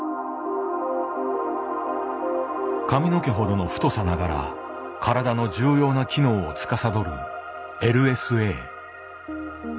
髪の毛ほどの太さながら体の重要な機能をつかさどるＬＳＡ。